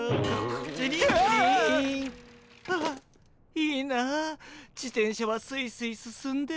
いいな自転車はスイスイ進んで。